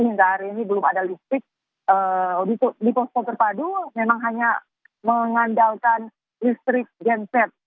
hingga hari ini belum ada listrik di posko terpadu memang hanya mengandalkan listrik genset